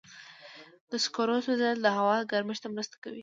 د سکرو سوځېدل د هوا ګرمښت ته مرسته کوي.